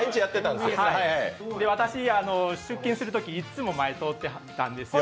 私、出勤するとき、いつも前、通ってたんですよ。